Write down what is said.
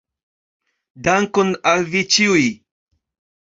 Dankon al vi ĉiuj!